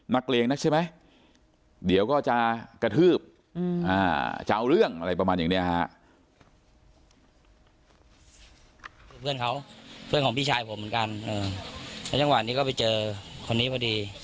เลงนักใช่ไหมเดี๋ยวก็จะกระทืบจะเอาเรื่องอะไรประมาณอย่างนี้ฮะ